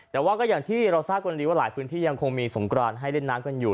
แต่ว่าก็อย่างที่เราทราบวันนี้ว่าหลายพื้นที่ยังคงมีสงกรานให้เล่นน้ำกันอยู่